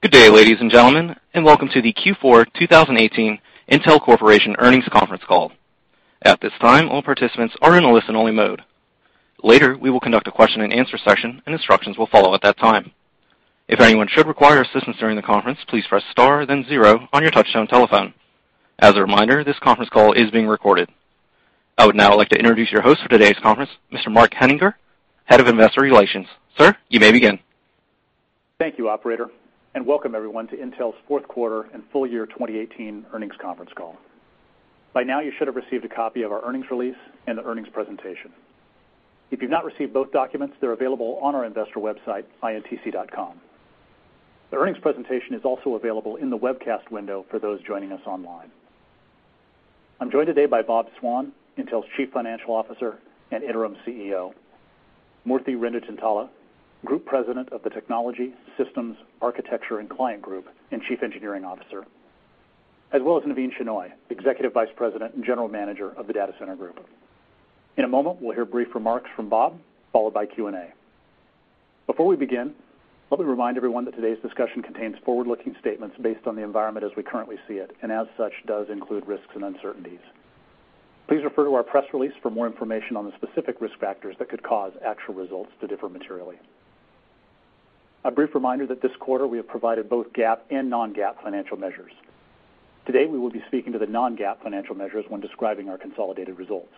Good day, ladies and gentlemen, welcome to the Q4 2018 Intel Corporation earnings conference call. At this time, all participants are in a listen-only mode. Later, we will conduct a question and answer session, and instructions will follow at that time. If anyone should require assistance during the conference, please press star then zero on your touch-tone telephone. As a reminder, this conference call is being recorded. I would now like to introduce your host for today's conference, Mr. Mark Henninger, Head of Investor Relations. Sir, you may begin. Thank you, operator, welcome everyone to Intel's Q4 and full year 2018 earnings conference call. By now, you should have received a copy of our earnings release and the earnings presentation. If you've not received both documents, they're available on our investor website, intc.com. The earnings presentation is also available in the webcast window for those joining us online. I'm joined today by Bob Swan, Intel's Chief Financial Officer and Interim CEO, Venkata Renduchintala, Group President of the Technology, Systems, Architecture and Client Group, and Chief Engineering Officer, as well as Navin Shenoy, Executive Vice President and General Manager of the Data Center Group. In a moment, we'll hear brief remarks from Bob, followed by Q&A. Before we begin, let me remind everyone that today's discussion contains forward-looking statements based on the environment as we currently see it, and as such, does include risks and uncertainties. Please refer to our press release for more information on the specific risk factors that could cause actual results to differ materially. A brief reminder that this quarter we have provided both GAAP and non-GAAP financial measures. Today, we will be speaking to the non-GAAP financial measures when describing our consolidated results.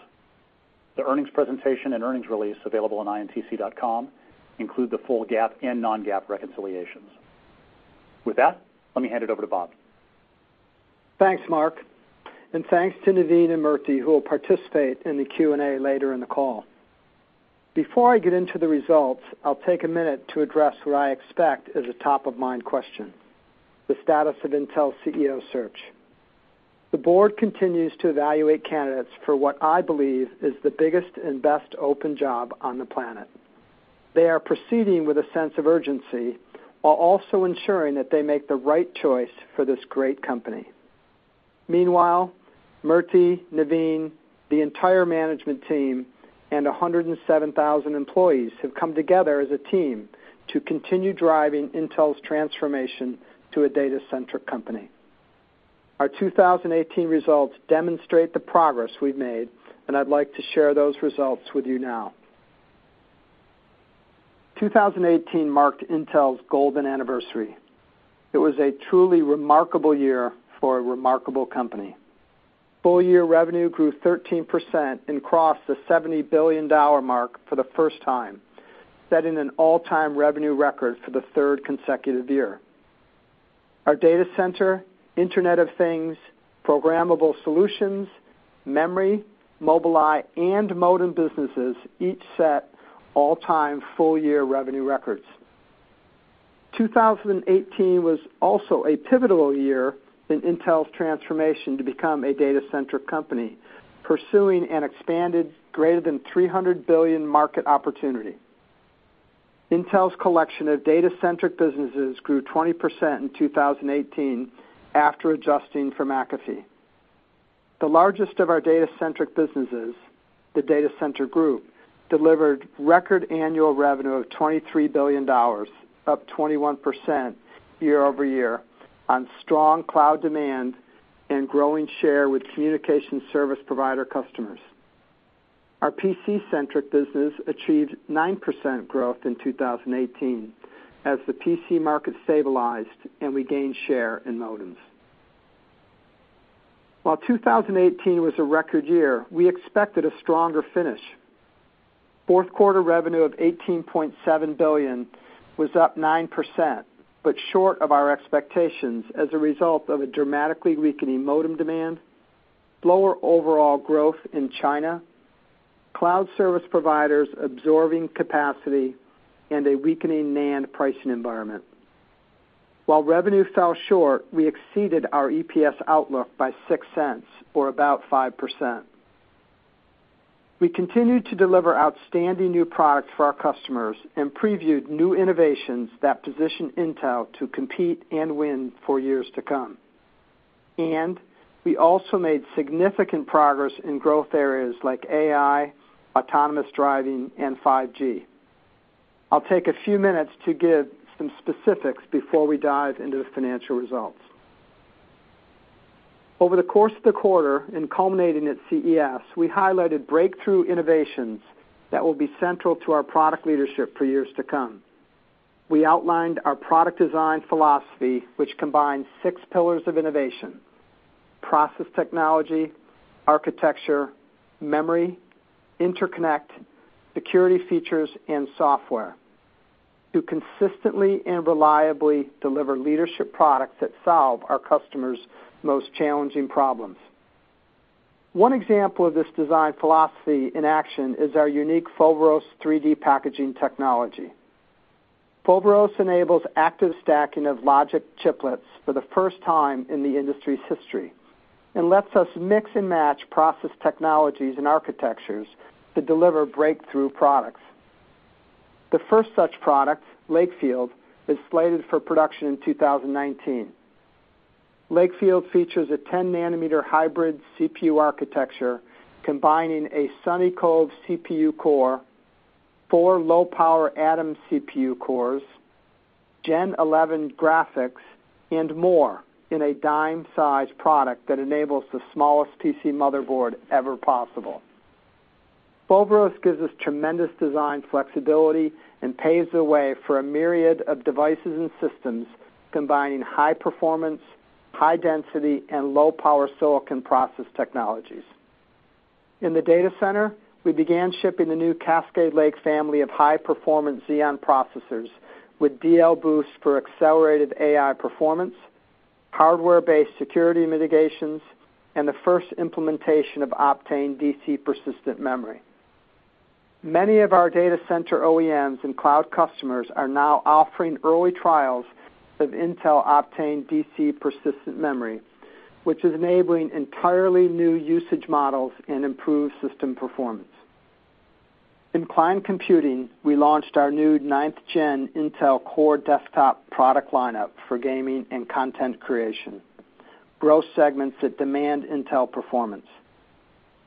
The earnings presentation and earnings release available on intc.com include the full GAAP and non-GAAP reconciliations. With that, let me hand it over to Bob. Thanks, Mark, thanks to Navin and Murthy, who will participate in the Q&A later in the call. Before I get into the results, I'll take a minute to address what I expect is a top-of-mind question, the status of Intel's CEO search. The board continues to evaluate candidates for what I believe is the biggest and best open job on the planet. They are proceeding with a sense of urgency while also ensuring that they make the right choice for this great company. Meanwhile, Murthy, Navin, the entire management team, and 107,000 employees have come together as a team to continue driving Intel's transformation to a data-centric company. Our 2018 results demonstrate the progress we've made, I'd like to share those results with you now. 2018 marked Intel's golden anniversary. It was a truly remarkable year for a remarkable company. Full-year revenue grew 13% and crossed the $70 billion mark for the first time, setting an all-time revenue record for the third consecutive year. Our data center, Internet of Things, programmable solutions, memory, Mobileye, and modem businesses each set all-time full-year revenue records. 2018 was also a pivotal year in Intel's transformation to become a data-centric company, pursuing an expanded greater than $300 billion market opportunity. Intel's collection of data-centric businesses grew 20% in 2018 after adjusting for McAfee. The largest of our data-centric businesses, the Data Center Group, delivered record annual revenue of $23 billion, up 21% year-over-year, on strong cloud demand and growing share with communication service provider customers. Our PC-centric business achieved 9% growth in 2018 as the PC market stabilized, and we gained share in modems. While 2018 was a record year, we expected a stronger finish. Q4 revenue of $18.7 billion was up 9%, but short of our expectations as a result of a dramatically weakening modem demand, lower overall growth in China, cloud service providers absorbing capacity, and a weakening NAND pricing environment. While revenue fell short, we exceeded our EPS outlook by $0.06, or about 5%. We continued to deliver outstanding new products for our customers and previewed new innovations that position Intel to compete and win for years to come. And we also made significant progress in growth areas like AI, autonomous driving, and 5G. I'll take a few minutes to give some specifics before we dive into the financial results. Over the course of the quarter and culminating at CES, we highlighted breakthrough innovations that will be central to our product leadership for years to come. We outlined our product design philosophy, which combines six pillars of innovation, process technology, architecture, memory, interconnect, security features, and software, to consistently and reliably deliver leadership products that solve our customers' most challenging problems. One example of this design philosophy in action is our unique Foveros 3D packaging technology. Foveros enables active stacking of logic chiplets for the first time in the industry's history and lets us mix and match process technologies and architectures to deliver breakthrough products. The first such product, Lakefield, is slated for production in 2019. Lakefield features a 10-nanometer hybrid CPU architecture combining a Sunny Cove CPU core, four low-power Atom CPU cores, Gen11 graphics, and more in a dime-sized product that enables the smallest PC motherboard ever possible. Silverails gives us tremendous design flexibility and paves the way for a myriad of devices and systems, combining high performance, high density, and low-power silicon process technologies. In the data center, we began shipping the new Cascade Lake family of high-performance Xeon processors with DL Boost for accelerated AI performance, hardware-based security mitigations, and the first implementation of Optane DC persistent memory. Many of our data center OEMs and cloud customers are now offering early trials of Intel Optane DC persistent memory, which is enabling entirely new usage models and improved system performance. In client computing, we launched our new ninth gen Intel Core desktop product lineup for gaming and content creation, growth segments that demand Intel performance.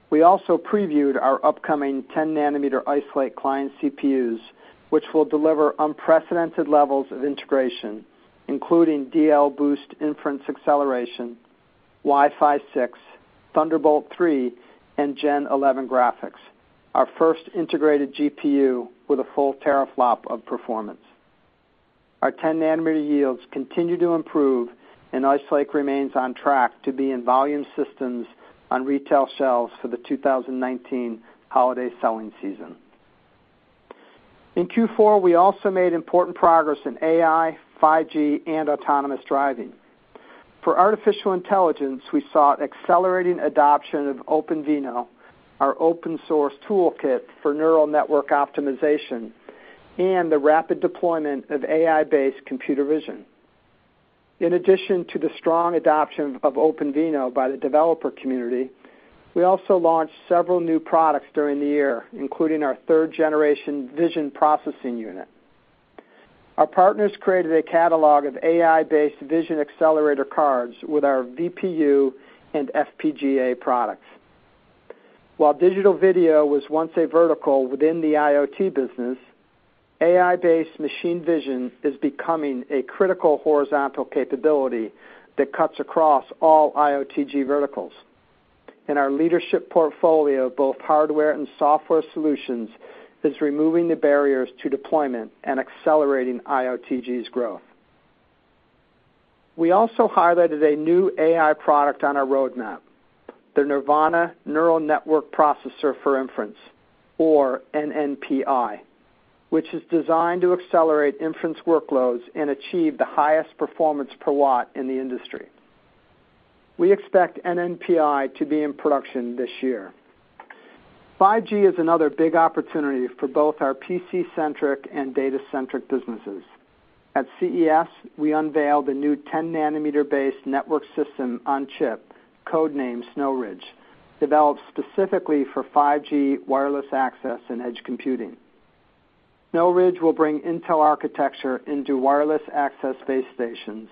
We also previewed our upcoming 10-nanometer Ice Lake client CPUs, which will deliver unprecedented levels of integration, including DL Boost inference acceleration, Wi-Fi six, Thunderbolt three, and Gen11 graphics, our first integrated GPU with a full teraflop of performance. Our 10-nanometer yields continue to improve. Ice Lake remains on track to be in volume systems on retail shelves for the 2019 holiday selling season. In Q4, we also made important progress in AI, 5G, and autonomous driving. For artificial intelligence, we saw accelerating adoption of OpenVINO, our open-source toolkit for neural network optimization, and the rapid deployment of AI-based computer vision. In addition to the strong adoption of OpenVINO by the developer community, we also launched several new products during the year, including our third-generation vision processing unit. Our partners created a catalog of AI-based vision accelerator cards with our VPU and FPGA products. While digital video was once a vertical within the IoT business, AI-based machine vision is becoming a critical horizontal capability that cuts across all IoTG verticals. Our leadership portfolio, both hardware and software solutions, is removing the barriers to deployment and accelerating IoTG's growth. We also highlighted a new AI product on our roadmap, the Nervana Neural Network Processor for Inference, or NNPI, which is designed to accelerate inference workloads and achieve the highest performance per watt in the industry. We expect NNPI to be in production this year. 5G is another big opportunity for both our PC-centric and data-centric businesses. At CES, we unveiled the new 10-nanometer base network system on chip, code-named Snow Ridge, developed specifically for 5G wireless access and edge computing. Snow Ridge will bring Intel architecture into wireless access base stations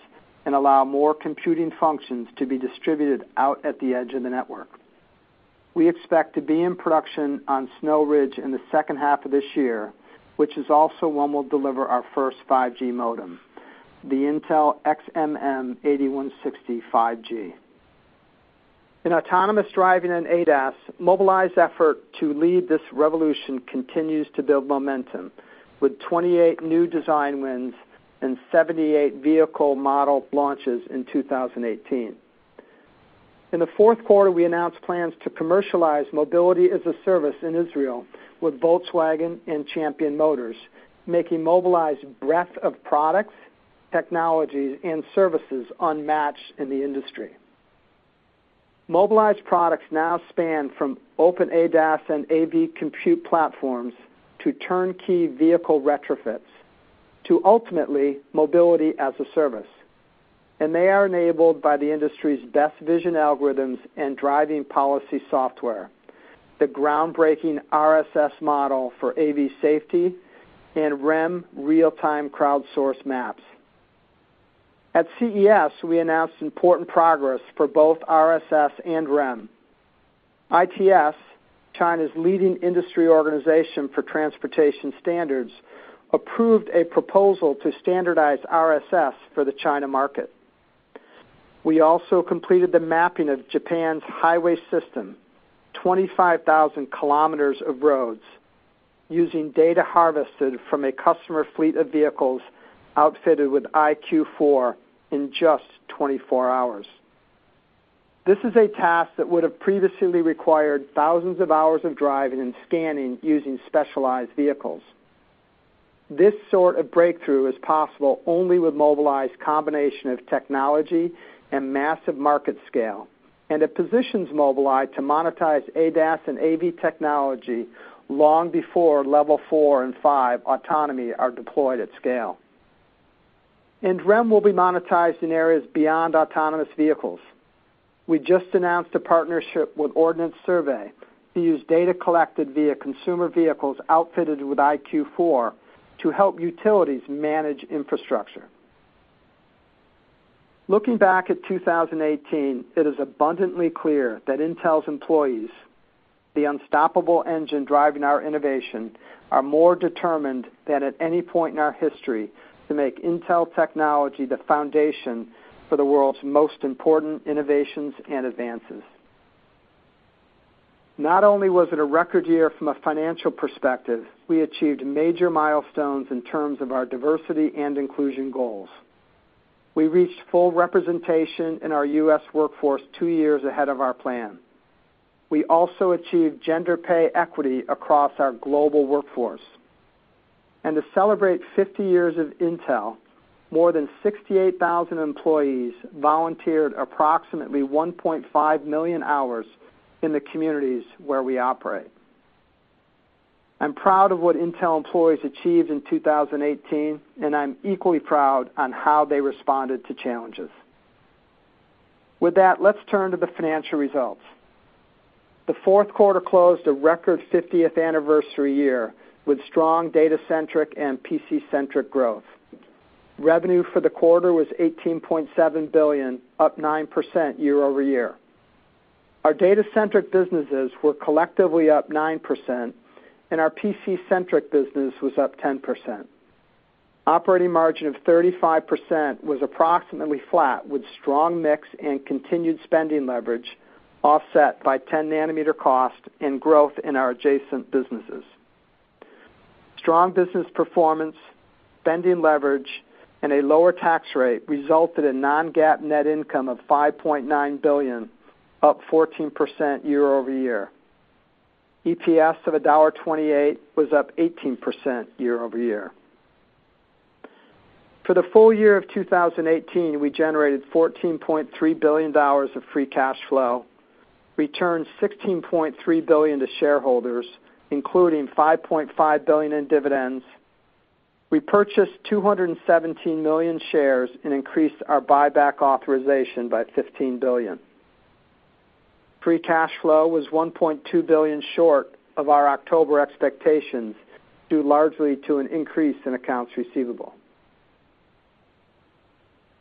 and allow more computing functions to be distributed out at the edge of the network. We expect to be in production on Snow Ridge in the H2 of this year, which is also when we'll deliver our first 5G modem, the Intel XMM 8160 5G. In autonomous driving and ADAS, Mobileye's effort to lead this revolution continues to build momentum with 28 new design wins and 78 vehicle model launches in 2018. In the Q4, we announced plans to commercialize mobility as a service in Israel with Volkswagen and Champion Motors, making Mobileye's breadth of products, technologies, and services unmatched in the industry. Mobileye's products now span from open ADAS and AV compute platforms to turnkey vehicle retrofits, to ultimately, mobility as a service, and they are enabled by the industry's best vision algorithms and driving policy software, the groundbreaking RSS model for AV safety, and REM real-time crowdsourced maps. At CES, we announced important progress for both RSS and REM. ITS, China's leading industry organization for transportation standards, approved a proposal to standardize RSS for the China market. We also completed the mapping of Japan's highway system, 25,000 kilometers of roads, using data harvested from a customer fleet of vehicles outfitted with EyeQ4 in just 24 hours. This is a task that would have previously required thousands of hours of driving and scanning using specialized vehicles. This sort of breakthrough is possible only with Mobileye's combination of technology and massive market scale, and it positions Mobileye's to monetize ADAS and AV technology long before Level four and five autonomy are deployed at scale. REM will be monetized in areas beyond autonomous vehicles. We just announced a partnership with Ordnance Survey to use data collected via consumer vehicles outfitted with EyeQ4 to help utilities manage infrastructure. Looking back at 2018, it is abundantly clear that Intel employees, the unstoppable engine driving our innovation, are more determined than at any point in our history to make Intel technology the foundation for the world's most important innovations and advances. Not only was it a record year from a financial perspective, we achieved major milestones in terms of our diversity and inclusion goals. We reached full representation in our U.S. workforce two years ahead of our plan. We also achieved gender pay equity across our global workforce. To celebrate 50 years of Intel, more than 68,000 employees volunteered approximately 1.5 million hours in the communities where we operate. I'm proud of what Intel employees achieved in 2018, and I'm equally proud on how they responded to challenges. With that, let's turn to the financial results. The Q4 closed a record 50th anniversary year with strong data-centric and PC-centric growth. Revenue for the quarter was $18.7 billion, up 9% year-over-year. Our data-centric businesses were collectively up 9%, and our PC-centric business was up 10%. Operating margin of 35% was approximately flat with strong mix and continued spending leverage, offset by 10-nanometer cost and growth in our adjacent businesses. Strong business performance, spending leverage, and a lower tax rate resulted in non-GAAP net income of $5.9 billion, up 14% year-over-year. EPS of $1.28 was up 18% year-over-year. For the full year of 2018, we generated $14.3 billion of free cash flow, returned $16.3 billion to shareholders, including $5.5 billion in dividends. We purchased 217 million shares and increased our buyback authorization by $15 billion. Free cash flow was $1.2 billion short of our October expectations, due largely to an increase in accounts receivable.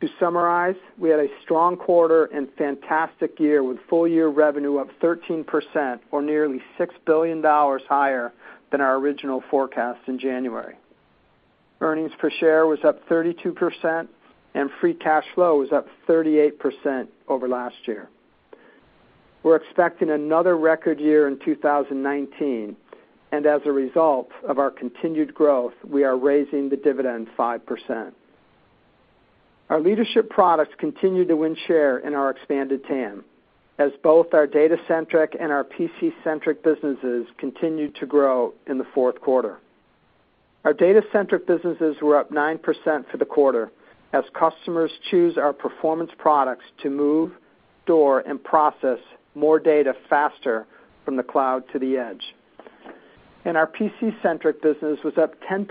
To summarize, we had a strong quarter and fantastic year with full year revenue up 13%, or nearly $6 billion higher than our original forecast in January. Earnings per share was up 32%, and free cash flow was up 38% over last year. We're expecting another record year in 2019. As a result of our continued growth, we are raising the dividend 5%. Our leadership products continue to win share in our expanded TAM, as both our data-centric and our PC-centric businesses continued to grow in the Q4. Our data-centric businesses were up 9% for the quarter as customers choose our performance products to move, store, and process more data faster from the cloud to the edge. Our PC-centric business was up 10%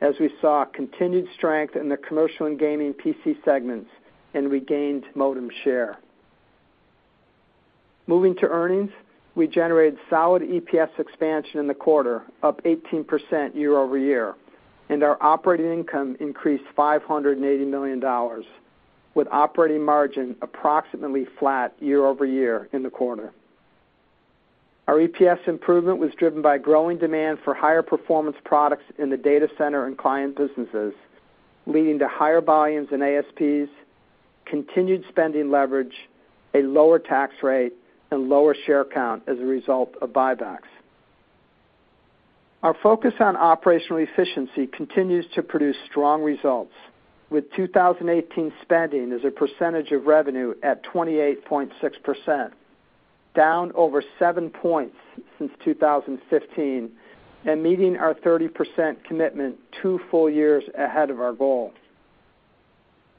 as we saw continued strength in the commercial and gaming PC segments and regained modem share. Moving to earnings, we generated solid EPS expansion in the quarter, up 18% year-over-year, and our operating income increased $580 million, with operating margin approximately flat year-over-year in the quarter. Our EPS improvement was driven by growing demand for higher performance products in the data center and client businesses, leading to higher volumes in ASPs, continued spending leverage, a lower tax rate, and lower share count as a result of buybacks. Our focus on operational efficiency continues to produce strong results, with 2018 spending as a percentage of revenue at 28.6%, down over seven points since 2015 and meeting our 30% commitment two full years ahead of our goal.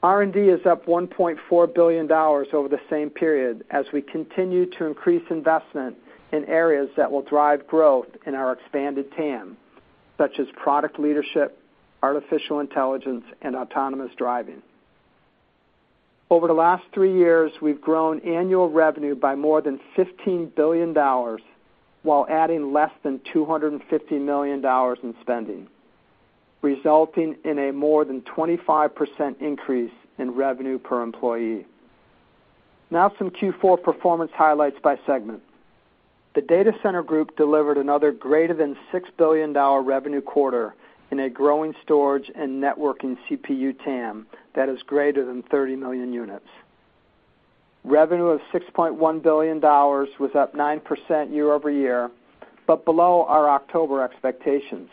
R&D is up $1.4 billion over the same period as we continue to increase investment in areas that will drive growth in our expanded TAM, such as product leadership, artificial intelligence, and autonomous driving. Over the last three years, we've grown annual revenue by more than $15 billion while adding less than $250 million in spending, resulting in a more than 25% increase in revenue per employee. Now some Q4 performance highlights by segment. The Data Center Group delivered another greater than $6 billion revenue quarter in a growing storage and networking CPU TAM that is greater than 30 million units. Revenue of $6.1 billion was up 9% year-over-year, but below our October expectations.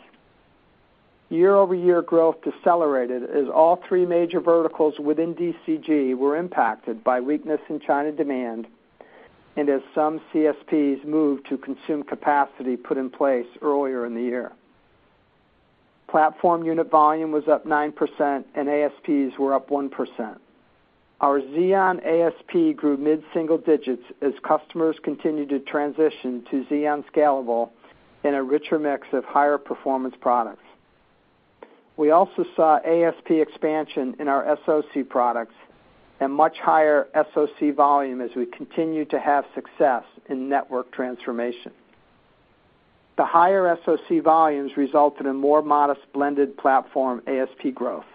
Year-over-year growth decelerated as all three major verticals within DCG were impacted by weakness in China demand and as some CSPs moved to consume capacity put in place earlier in the year. Platform unit volume was up 9%. ASPs were up 1%. Our Xeon ASP grew mid-single digits as customers continued to transition to Xeon Scalable in a richer mix of higher performance products. We also saw ASP expansion in our SoC products and much higher SoC volume as we continue to have success in network transformation. The higher SoC volumes resulted in more modest blended platform ASP growth.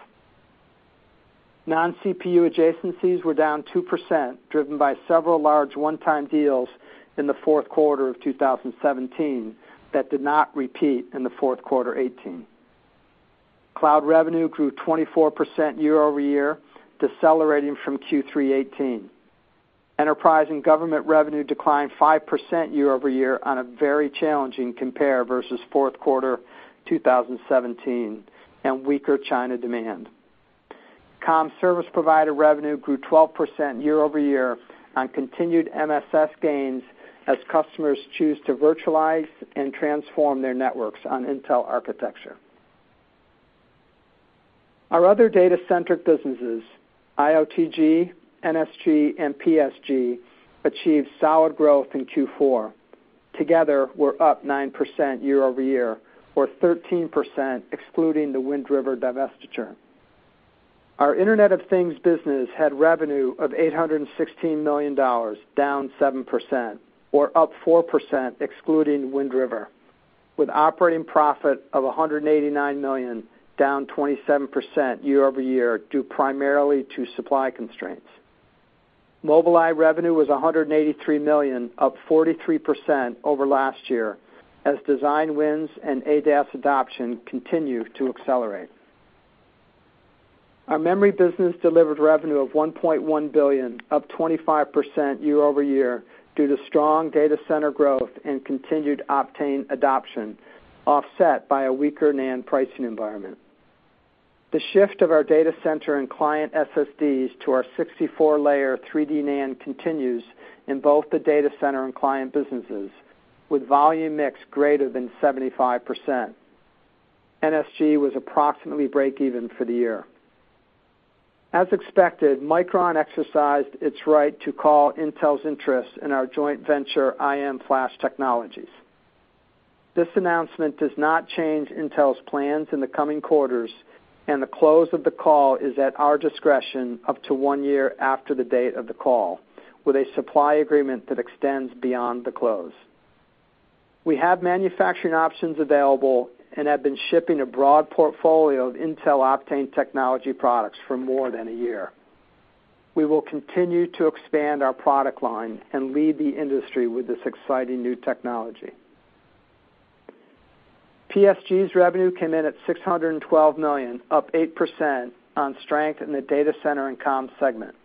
Non-CPU adjacencies were down 2%, driven by several large one-time deals in the Q4 of 2017 that did not repeat in the Q4 2018. Cloud revenue grew 24% year-over-year, decelerating from Q3 2018. Enterprise and government revenue declined 5% year-over-year on a very challenging compare versus Q4 2017 and weaker China demand. Comm service provider revenue grew 12% year-over-year on continued MSS gains as customers choose to virtualize and transform their networks on Intel architecture. Our other data-centric businesses, IOTG, NSG, and PSG, achieved solid growth in Q4. Together, we're up 9% year-over-year, or 13% excluding the Wind River divestiture. Our Internet of Things business had revenue of $816 million, down 7%, or up 4% excluding Wind River, with operating profit of $189 million, down 27% year-over-year, due primarily to supply constraints. Mobileye revenue was $183 million, up 43% over last year as design wins and ADAS adoption continue to accelerate. Our memory business delivered revenue of $1.1 billion, up 25% year-over-year due to strong data center growth and continued Optane adoption, offset by a weaker NAND pricing environment. The shift of our data center and client SSDs to our 64-layer 3D NAND continues in both the data center and client businesses, with volume mix greater than 75%. NSG was approximately break even for the year. As expected, Micron exercised its right to call Intel's interest in our joint venture IM Flash Technologies. This announcement does not change Intel's plans in the coming quarters, and the close of the call is at our discretion up to one year after the date of the call, with a supply agreement that extends beyond the close. We have manufacturing options available and have been shipping a broad portfolio of Intel Optane technology products for more than a year. We will continue to expand our product line and lead the industry with this exciting new technology. PSG's revenue came in at $612 million, up 8% on strength in the data center and comms segment.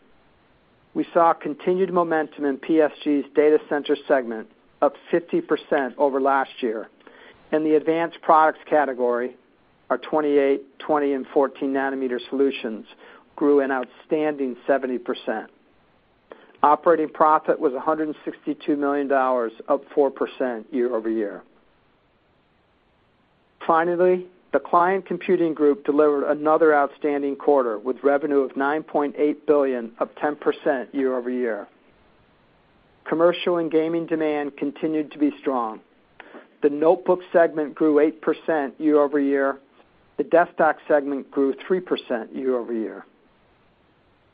We saw continued momentum in PSG's data center segment, up 50% over last year. In the advanced products category, our 28, 20, and 14 nanometer solutions grew an outstanding 70%. Operating profit was $162 million, up 4% year-over-year. Finally, the Client Computing Group delivered another outstanding quarter with revenue of $9.8 billion, up 10% year-over-year. Commercial and gaming demand continued to be strong. The notebook segment grew 8% year-over-year. The desktop segment grew 3% year-over-year.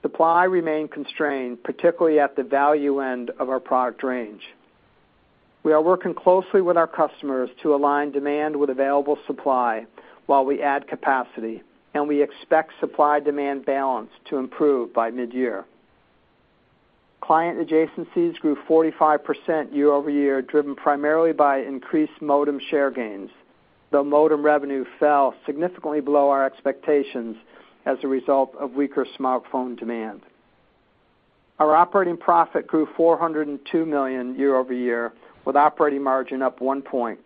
Supply remained constrained, particularly at the value end of our product range. We are working closely with our customers to align demand with available supply while we add capacity, and we expect supply-demand balance to improve by mid-year. Client adjacencies grew 45% year-over-year, driven primarily by increased modem share gains, though modem revenue fell significantly below our expectations as a result of weaker smartphone demand. Our operating profit grew $402 million year-over-year, with operating margin up one point.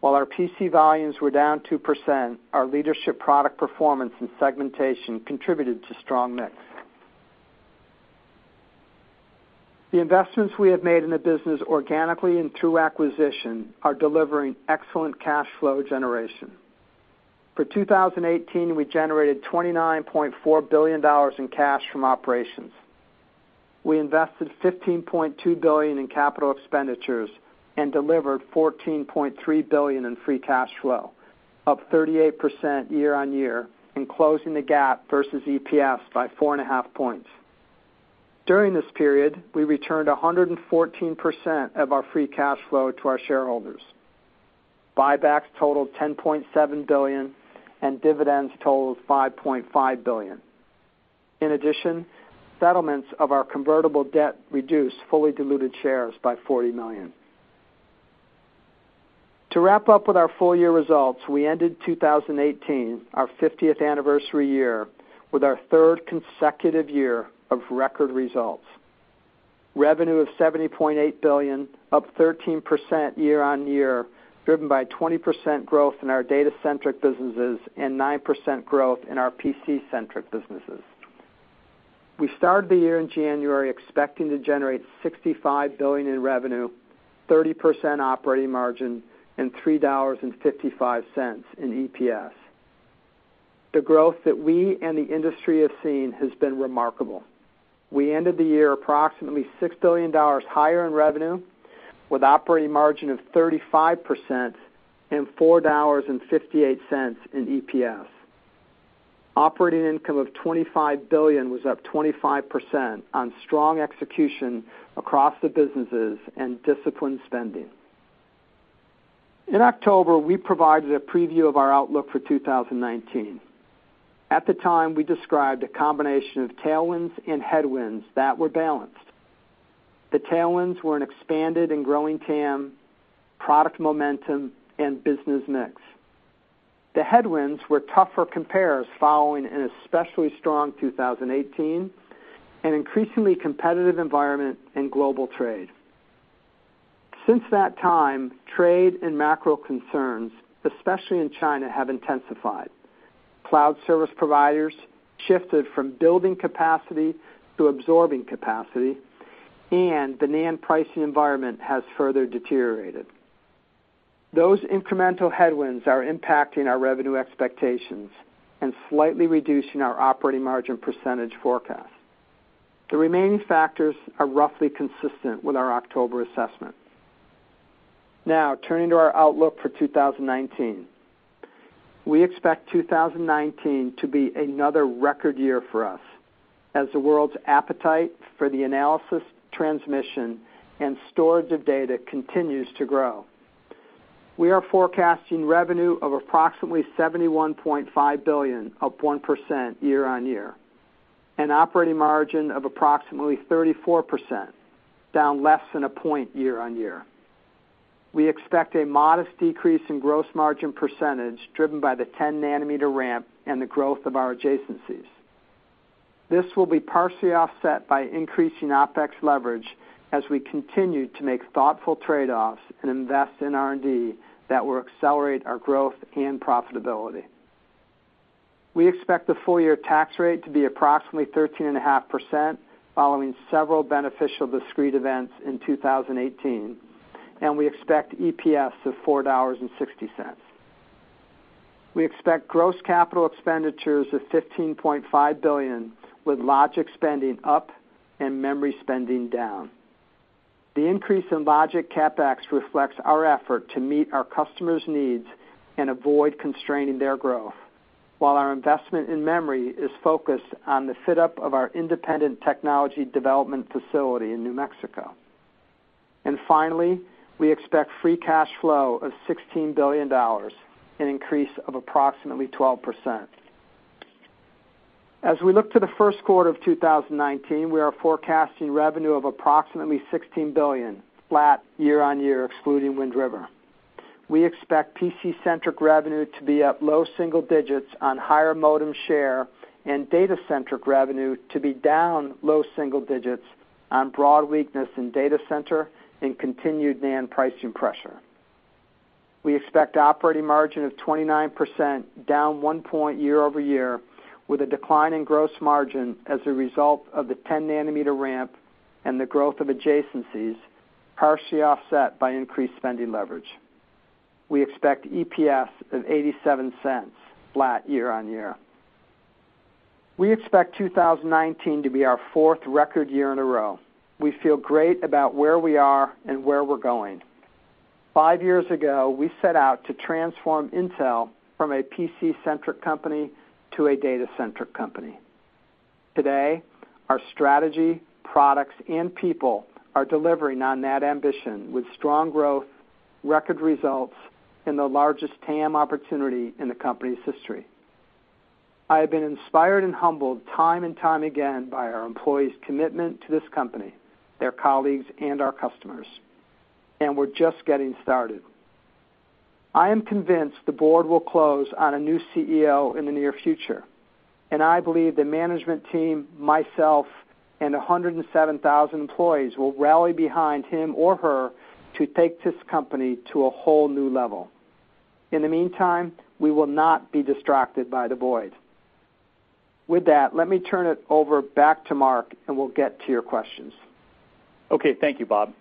While our PC volumes were down 2%, our leadership product performance and segmentation contributed to strong mix. The investments we have made in the business organically and through acquisition are delivering excellent cash flow generation. For 2018, we generated $29.4 billion in cash from operations. We invested $15.2 billion in capital expenditures and delivered $14.3 billion in free cash flow, up 38% year-on-year, and closing the gap versus EPS by four and a half points. During this period, we returned 114% of our free cash flow to our shareholders. Buybacks totaled $10.7 billion, and dividends totaled $5.5 billion. In addition, settlements of our convertible debt reduced fully diluted shares by 40 million. To wrap up with our full year results, we ended 2018, our 50th anniversary year, with our third consecutive year of record results. Revenue of $70.8 billion, up 13% year-on-year, driven by 20% growth in our data-centric businesses and 9% growth in our PC-centric businesses. We started the year in January expecting to generate $65 billion in revenue, 30% operating margin, and $3.55 in EPS. The growth that we and the industry have seen has been remarkable. We ended the year approximately $6 billion higher in revenue, with operating margin of 35% and $4.58 in EPS. Operating income of $25 billion was up 25% on strong execution across the businesses and disciplined spending. In October, we provided a preview of our outlook for 2019. At the time, we described a combination of tailwinds and headwinds that were balanced. The tailwinds were an expanded and growing TAM, product momentum, and business mix. The headwinds were tougher compares following an especially strong 2018, an increasingly competitive environment, and global trade. Since that time, trade and macro concerns, especially in China, have intensified. Cloud service providers shifted from building capacity to absorbing capacity, and the NAND pricing environment has further deteriorated. Those incremental headwinds are impacting our revenue expectations and slightly reducing our operating margin % forecast. The remaining factors are roughly consistent with our October assessment. Now turning to our outlook for 2019. We expect 2019 to be another record year for us, as the world's appetite for the analysis, transmission, and storage of data continues to grow. We are forecasting revenue of approximately $71.5 billion, up 1% year-on-year, and operating margin of approximately 34%, down less than a point year-on-year. We expect a modest decrease in gross margin percentage, driven by the 10-nanometer ramp and the growth of our adjacencies. This will be partially offset by increasing OpEx leverage as we continue to make thoughtful trade-offs and invest in R&D that will accelerate our growth and profitability. We expect the full-year tax rate to be approximately 13.5% following several beneficial discrete events in 2018, and we expect EPS of $4.60. We expect gross capital expenditures of $15.5 billion, with logic spending up and memory spending down. The increase in logic CapEx reflects our effort to meet our customers' needs and avoid constraining their growth, while our investment in memory is focused on the fit-up of our independent technology development facility in New Mexico. And finally, we expect free cash flow of $16 billion, an increase of approximately 12%. As we look to the Q1 of 2019, we are forecasting revenue of approximately $16 billion, flat year-on-year, excluding Wind River. We expect PC-centric revenue to be up low single digits on higher modem share, and data-centric revenue to be down low single digits on broad weakness in data center and continued NAND pricing pressure. We expect operating margin of 29%, down one point year-over-year, with a decline in gross margin as a result of the 10-nanometer ramp and the growth of adjacencies, partially offset by increased spending leverage. We expect EPS of $0.87, flat year-on-year. We expect 2019 to be our fourth record year in a row. We feel great about where we are and where we're going. Five years ago, we set out to transform Intel from a PC-centric company to a data-centric company. Today, our strategy, products, and people are delivering on that ambition with strong growth, record results, and the largest TAM opportunity in the company's history. I have been inspired and humbled time and time again by our employees' commitment to this company, their colleagues, and our customers. We're just getting started. I am convinced the board will close on a new CEO in the near future, and I believe the management team, myself, and 107,000 employees will rally behind him or her to take this company to a whole new level. In the meantime, we will not be distracted by the void. With that, let me turn it over back to Mark, and we'll get to your questions. Okay. Thank you, Bob.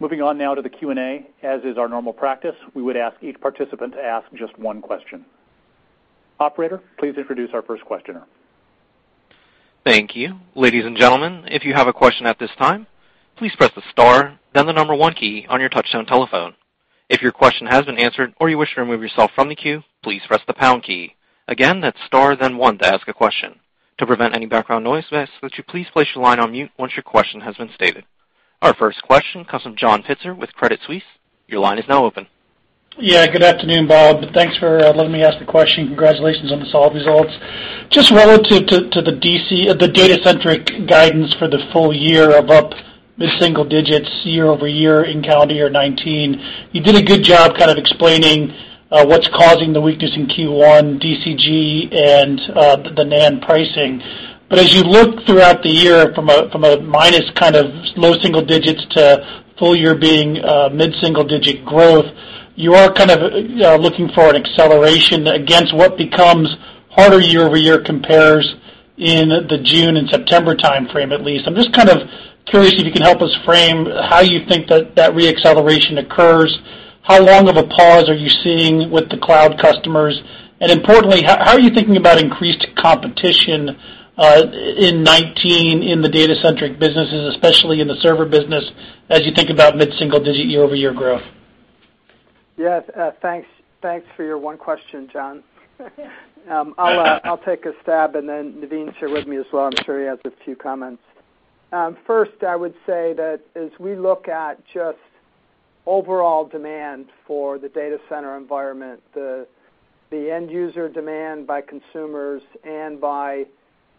Moving on now to the Q&A. As is our normal practice, we would ask each participant to ask just one question. Operator, please introduce our first questioner. Thank you. Ladies and gentlemen, if you have a question at this time, please press the star then the number one key on your touchtone telephone. If your question has been answered or you wish to remove yourself from the queue, please press the pound key. Again, that's star then one to ask a question. To prevent any background noise, may I ask that you please place your line on mute once your question has been stated. Our first question comes from John Pitzer with Credit Suisse. Your line is now open. Good afternoon, Bob. Thanks for letting me ask the question. Congratulations on the solid results. Just relative to the data-centric guidance for the full year of up mid-single digits year-over-year in calendar year 2019, you did a good job kind of explaining what's causing the weakness in Q1 DCG and the NAND pricing. As you look throughout the year from a minus kind of low single digits to full year being mid-single digit growth. You are looking for an acceleration against what becomes harder year-over-year compares in the June and September timeframe, at least. I'm just curious if you can help us frame how you think that that re-acceleration occurs. How long of a pause are you seeing with the cloud customers? Importantly, how are you thinking about increased competition in 2019 in the data-centric businesses, especially in the server business, as you think about mid-single digit year-over-year growth? Thanks for your one question, John. I'll take a stab, and then Navin, share with me as well. I'm sure he has a few comments. First, I would say that as we look at just overall demand for the data center environment, the end-user demand by consumers and by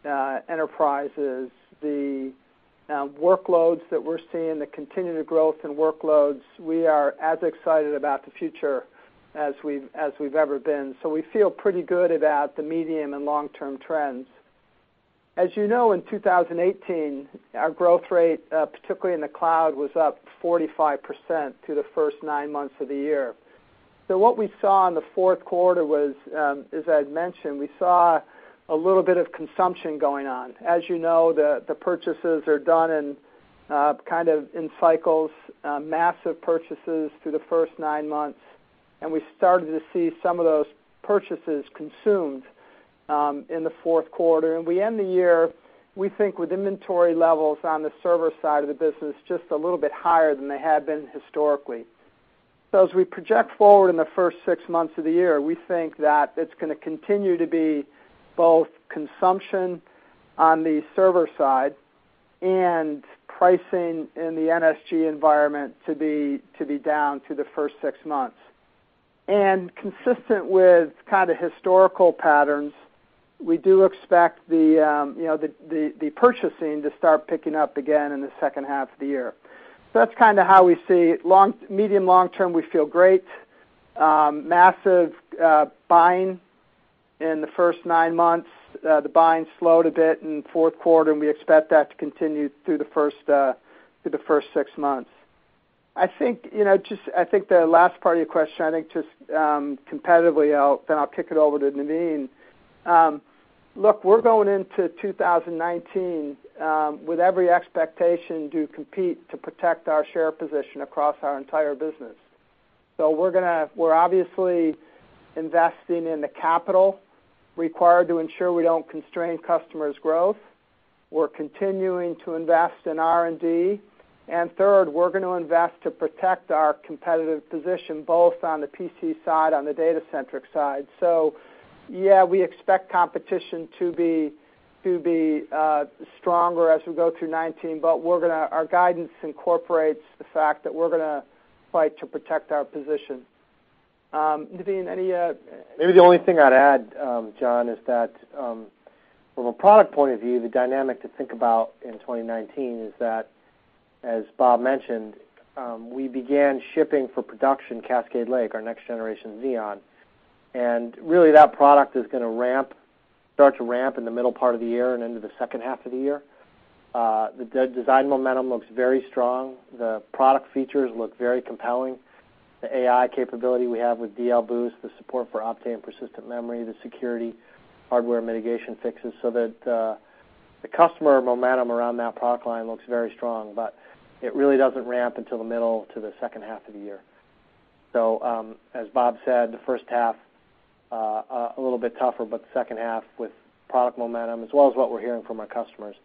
enterprises, the workloads that we're seeing, the continued growth in workloads, we are as excited about the future as we've ever been. We feel pretty good about the medium and long-term trends. As you know, in 2018, our growth rate, particularly in the cloud, was up 45% through the first nine months of the year. What we saw in the Q4 was, as I'd mentioned, we saw a little bit of consumption going on. As you know, the purchases are done in cycles, massive purchases through the first nine months, and we started to see some of those purchases consumed in the Q4. We end the year, we think, with inventory levels on the server side of the business just a little bit higher than they had been historically. As we project forward in the first six months of the year, we think that it's going to continue to be both consumption on the server side and pricing in the NSG environment to be down through the first six months. And consistent with historical patterns, we do expect the purchasing to start picking up again in the H2 of the year. That's how we see it. Medium, long-term, we feel great. Massive buying in the first nine months. The buying slowed a bit in the Q4, and we expect that to continue through the first six months. I think the last part of your question, just competitively, then I'll kick it over to Navin. Look, we're going into 2019 with every expectation to compete to protect our share position across our entire business. We're obviously investing in the capital required to ensure we don't constrain customers' growth. We're continuing to invest in R&D. Third, we're going to invest to protect our competitive position, both on the PC side, on the data-centric side. So yeah, we expect competition to be stronger as we go through 2019, but our guidance incorporates the fact that we're going to fight to protect our position. Navin, anything else. Maybe the only thing I'd add, John, is that from a product point of view, the dynamic to think about in 2019 is that, as Bob mentioned, we began shipping for production Cascade Lake, our next-generation Xeon. Really, that product is going to start to ramp in the middle part of the year and into the H2 of the year. The design momentum looks very strong. The product features look very compelling. The AI capability we have with DL Boost, the support for Optane persistent memory, the security hardware mitigation fixes so that the customer momentum around that product line looks very strong, but it really doesn't ramp until the middle to the H2 of the year. As Bob said, the H1, a little bit tougher, but the H2 with product momentum, as well as what we're hearing from our customers,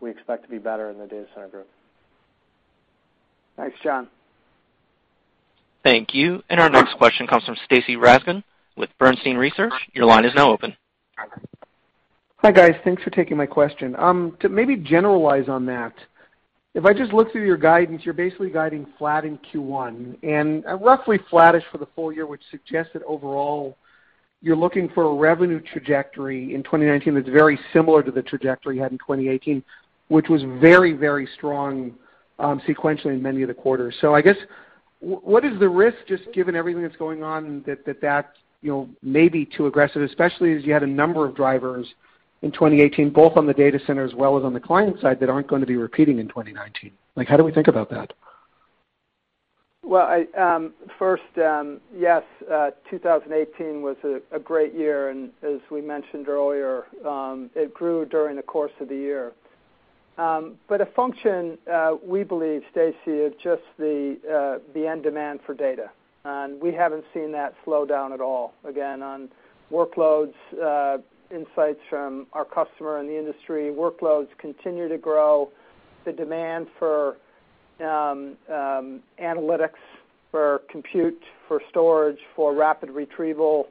we expect to be better in the Data Center Group. Thanks, John. Thank you. Our next question comes from Stacy Rasgon with Bernstein Research. Your line is now open. Hi, guys. Thanks for taking my question. To maybe generalize on that, if I just look through your guidance, you're basically guiding flat in Q1, and roughly flattish for the full year, which suggests that overall, you're looking for a revenue trajectory in 2019 that's very similar to the trajectory you had in 2018, which was very, very strong sequentially in many of the quarters. I guess, what is the risk, just given everything that's going on, that that may be too aggressive, especially as you had a number of drivers in 2018, both on the data center as well as on the client side, that aren't going to be repeating in 2019? How do we think about that? Well, first, yes, 2018 was a great year, and as we mentioned earlier, it grew during the course of the year. A function, we believe, Stacy, is just the end demand for data, and we haven't seen that slow down at all. Again, on workloads, insights from our customer and the industry, workloads continue to grow. The demand for analytics, for compute, for storage, for rapid retrieval,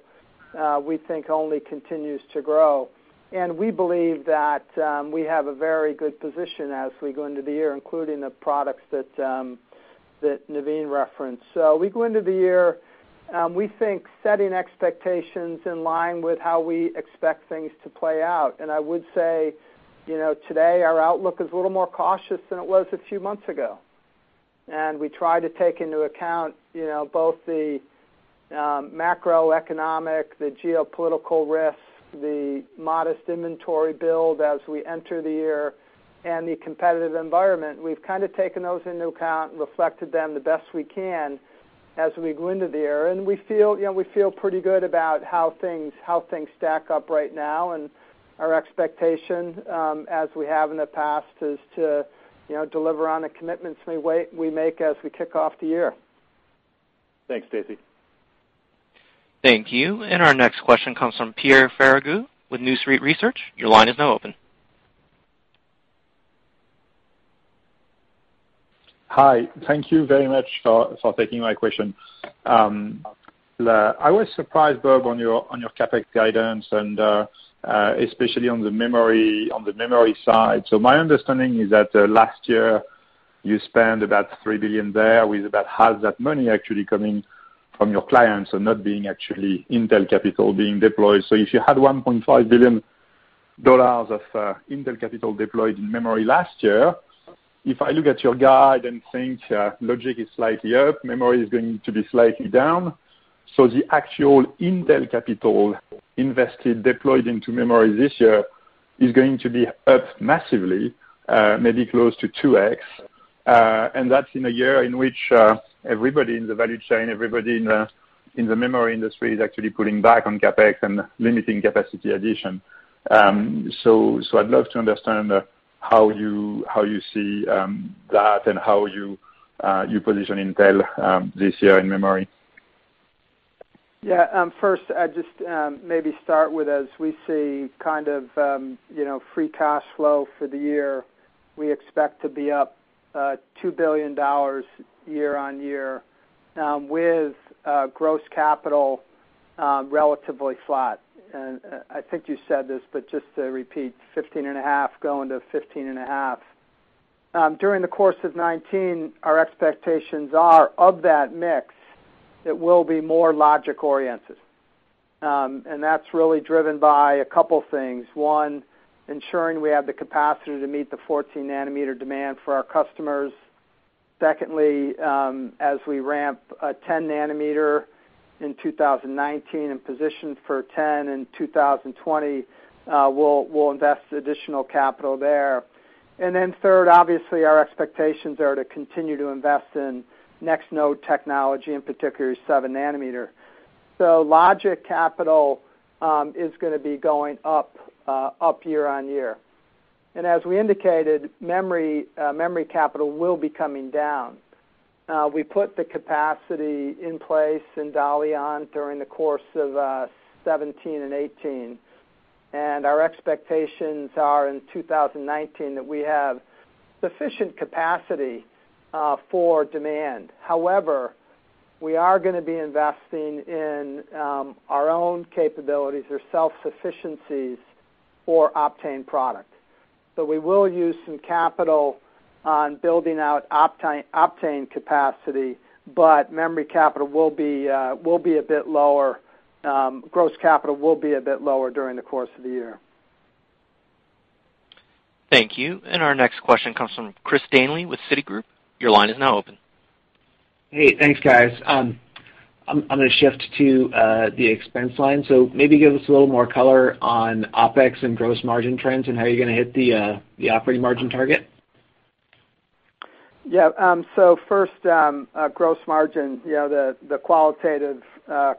we think only continues to grow. And we believe that we have a very good position as we go into the year, including the products that Navin referenced. So we go into the year, we think setting expectations in line with how we expect things to play out. I would say, today our outlook is a little more cautious than it was a few months ago. We try to take into account both the macroeconomic, the geopolitical risks, the modest inventory build as we enter the year, and the competitive environment, we've taken those into account and reflected them the best we can as we go into the year. We feel pretty good about how things stack up right now, and our expectation, as we have in the past, is to deliver on the commitments we make as we kick off the year. Thanks, Stacy. Thank you. Our next question comes from Pierre Ferragu with New Street Research. Your line is now open. Hi. Thank you very much for taking my question. I was surprised, Bob, on your CapEx guidance, and especially on the memory side. My understanding is that last year you spent about $3 billion there, with about half that money actually coming from your clients, not being actually Intel capital being deployed. If you had $1.5 billion of Intel capital deployed in memory last year, if I look at your guide and think logic is slightly up, memory is going to be slightly down. The actual Intel capital invested, deployed into memory this year is going to be up massively, maybe close to 2x, and that's in a year in which everybody in the value chain, everybody in the memory industry, is actually pulling back on CapEx and limiting capacity addition. So, I'd love to understand how you see that and how you position Intel this year in memory. First, I'd just maybe start with, as we see free cash flow for the year, we expect to be up $2 billion year-on-year, with gross capital relatively flat. I think you said this, but just to repeat, 15.5 going to 15.5. During the course of 2019, our expectations are, of that mix, it will be more logic oriented. That's really driven by a couple things. One, ensuring we have the capacity to meet the 14 nanometer demand for our customers. Secondly, as we ramp 10 nanometer in 2019 and position for 10 in 2020, we'll invest additional capital there. Then third, obviously, our expectations are to continue to invest in next node technology, in particular seven nanometer. Logic capital is going to be going up year-on-year. As we indicated, memory capital will be coming down. We put the capacity in place in Dalian during the course of 2017 and 2018. Our expectations are, in 2019, that we have sufficient capacity for demand. However, we are going to be investing in our own capabilities or self-sufficiencies for Optane product. So we will use some capital on building out Optane capacity, but memory capital will be a bit lower. Gross capital will be a bit lower during the course of the year. Thank you. Our next question comes from Christopher Danely with Citi Research. Your line is now open. Hey, thanks, guys. I'm going to shift to the expense line. Maybe give us a little more color on OpEx and gross margin trends and how you're going to hit the operating margin target. Yeah. First, gross margin. The qualitative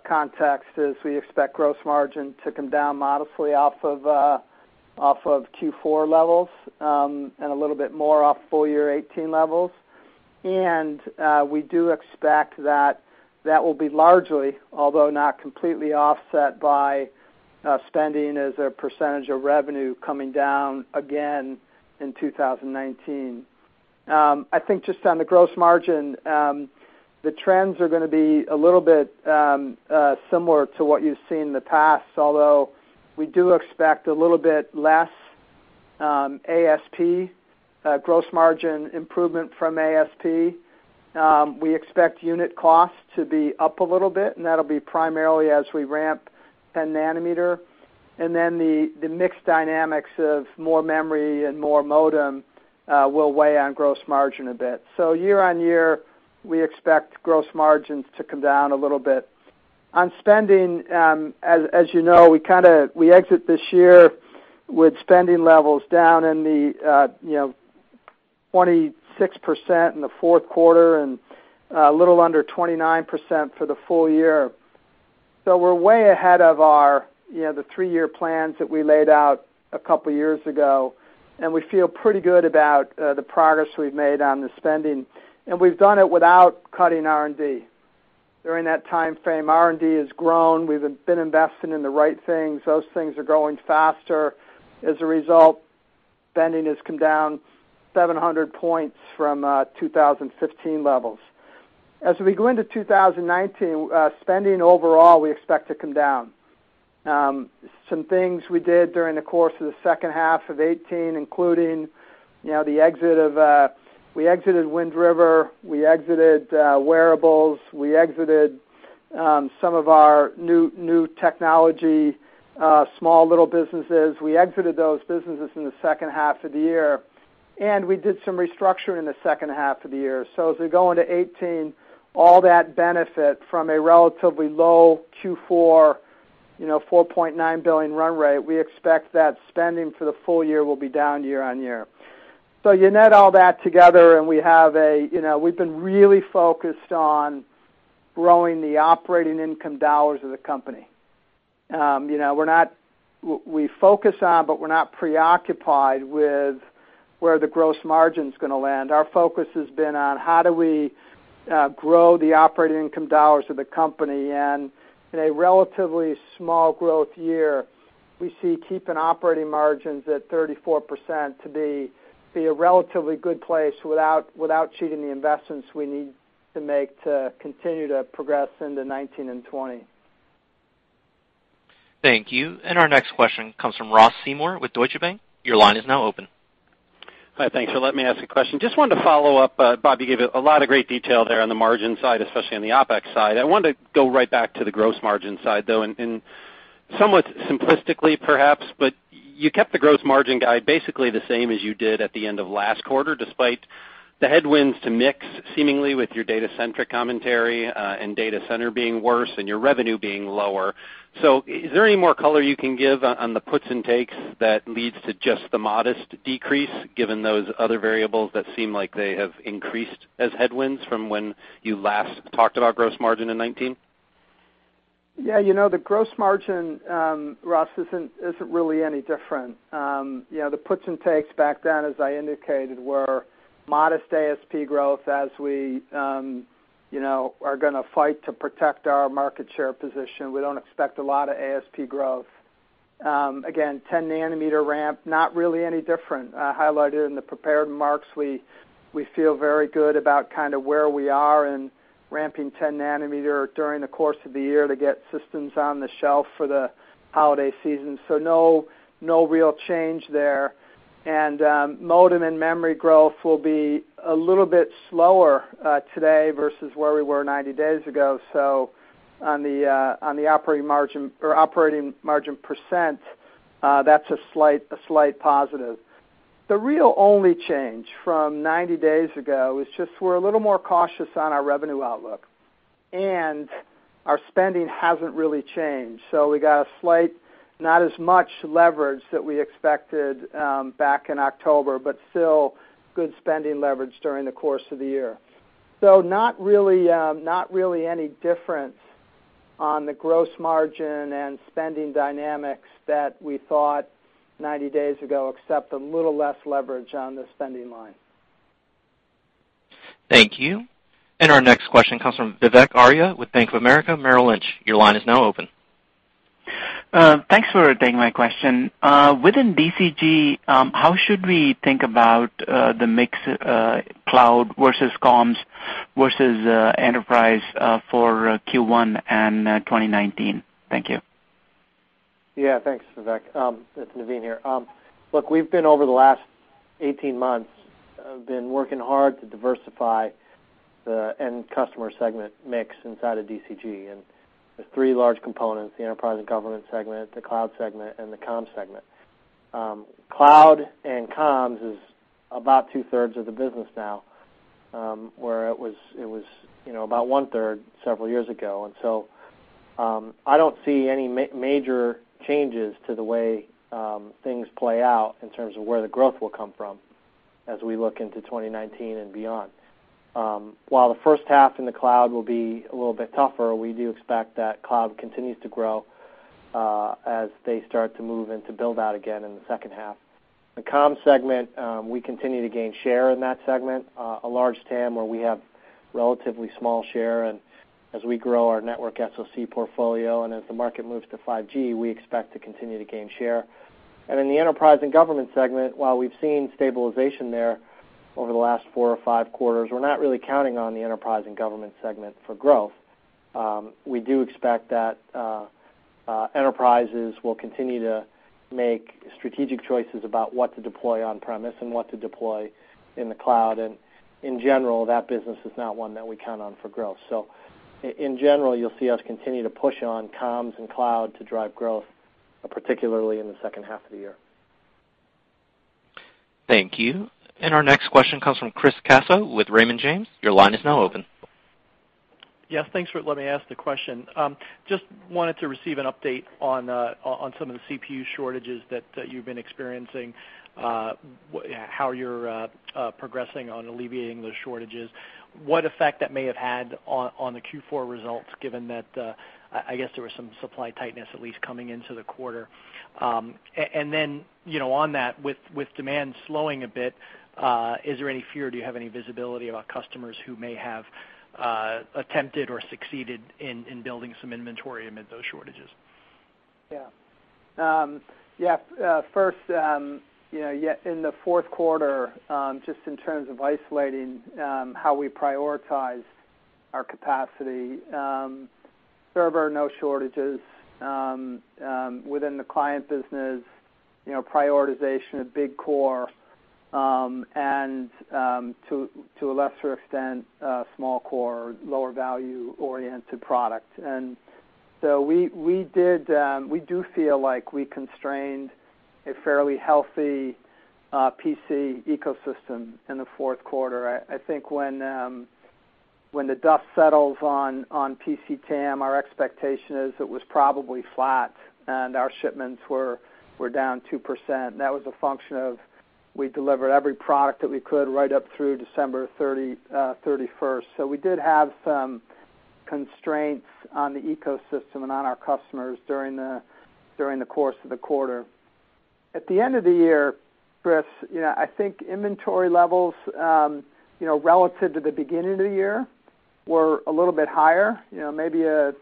context is we expect gross margin to come down modestly off of Q4 levels, and a little bit more off full year 2018 levels. And we do expect that that will be largely, although not completely, offset by spending as a percentage of revenue coming down again in 2019. I think just on the gross margin, the trends are going to be a little bit similar to what you've seen in the past, although we do expect a little bit less ASP gross margin improvement from ASP. We expect unit costs to be up a little bit, and that'll be primarily as we ramp 10-nanometer, and then the mix dynamics of more memory and more modem will weigh on gross margin a bit. Year-over-year, we expect gross margins to come down a little bit. On spending, as you know, we exit this year with spending levels down in the 26% in the Q4, and a little under 29% for the full year. We're way ahead of the three-year plans that we laid out a couple years ago, and we feel pretty good about the progress we've made on the spending. We've done it without cutting R&D. During that timeframe, R&D has grown. We've been investing in the right things. Those things are growing faster. As a result, spending has come down 700 points from 2015 levels. As we go into 2019, spending overall, we expect to come down. Some things we did during the course of the H2 of 2018, including we exited Wind River, we exited wearables, we exited some of our new technology, small, little businesses. We exited those businesses in the H2 of the year. We did some restructuring in the H2 of the year. As we go into 2018, all that benefit from a relatively low Q4, $4.9 billion run rate, we expect that spending for the full year will be down year-over-year. You net all that together and we've been really focused on growing the operating income dollars of the company. We focus on, but we're not preoccupied with where the gross margin's going to land. Our focus has been on how do we grow the operating income dollars of the company. In a relatively small growth year, we see keeping operating margins at 34% to be a relatively good place without cheating the investments we need to make to continue to progress into 2019 and 2020. Thank you. Our next question comes from Ross Seymore with Deutsche Bank. Your line is now open. Hi, thanks for letting me ask a question. Just wanted to follow up, Bob, you gave a lot of great detail there on the margin side, especially on the OpEx side. I wanted to go right back to the gross margin side, though, somewhat simplistically perhaps, you kept the gross margin guide basically the same as you did at the end of last quarter, despite the headwinds to mix, seemingly, with your data-centric commentary, and data center being worse and your revenue being lower. Is there any more color you can give on the puts and takes that leads to just the modest decrease, given those other variables that seem like they have increased as headwinds from when you last talked about gross margin in 2019? Yeah, you know the gross margin, Ross, isn't really any different. The puts and takes back then, as I indicated, were modest ASP growth. As we are going to fight to protect our market share position, we don't expect a lot of ASP growth. Again, 10-nanometer ramp, not really any different. I highlighted in the prepared remarks, we feel very good about where we are in ramping 10-nanometer during the course of the year to get systems on the shelf for the holiday season. No real change there. Modem and memory growth will be a little bit slower today versus where we were 90 days ago. On the operating margin percent, that's a slight positive. The real only change from 90 days ago is just we're a little more cautious on our revenue outlook. Our spending hasn't really changed. So we got slight, not as much leverage that we expected back in October, but still good spending leverage during the course of the year. So not really any difference on the gross margin and spending dynamics that we thought 90 days ago, except a little less leverage on the spending line. Thank you. Our next question comes from Vivek Arya with Bank of America, Merrill Lynch. Your line is now open. Thanks for taking my question. Within DCG, how should we think about the mix Cloud versus Coms versus Enterprise for Q1 and 2019? Thank you. Thanks, Vivek. It's Navin here. Look, we've been, over the last 18 months, been working hard to diversify the end customer segment mix inside of DCG. There's three large components, the Enterprise and Government segment, the Cloud segment, and the Coms segment. Cloud and Coms is about two-thirds of the business now, where it was about one-third several years ago. I don't see any major changes to the way things play out in terms of where the growth will come from as we look into 2019 and beyond. While the H1 in the Cloud will be a little bit tougher, we do expect that Cloud continues to grow as they start to move into build out again in the H2. The Coms segment, we continue to gain share in that segment, a large TAM where we have relatively small share. As we grow our network SoC portfolio, as the market moves to 5G, we expect to continue to gain share. In the Enterprise and Government segment, while we've seen stabilization there over the last four or five quarters, we're not really counting on the Enterprise and Government segment for growth. We do expect that enterprises will continue to make strategic choices about what to deploy on premise and what to deploy in the Cloud. In general, that business is not one that we count on for growth. So in general, you'll see us continue to push on Coms and Cloud to drive growth, particularly in the H2 of the year. Thank you. Our next question comes from Chris Caso with Raymond James. Your line is now open. Yes, thanks for letting me ask the question. Just wanted to receive an update on some of the CPU shortages that you've been experiencing, how you're progressing on alleviating those shortages, what effect that may have had on the Q4 results, given that, I guess there was some supply tightness at least coming into the quarter. On that, with demand slowing a bit, is there any fear? Do you have any visibility about customers who may have attempted or succeeded in building some inventory amid those shortages? First, in the Q4, just in terms of isolating how we prioritize our capacity, server, no shortages. Within the client business, prioritization of big core and to a lesser extent, small core, lower value-oriented product. We do feel like we constrained a fairly healthy PC ecosystem in the Q4. I think when the dust settles on PC TAM, our expectation is it was probably flat and our shipments were down 2%. That was a function of, we delivered every product that we could right up through December 31st. We did have some constraints on the ecosystem and on our customers during the course of the quarter. At the end of the year, Chris, I think inventory levels, relative to the beginning of the year, were a little bit higher, maybe a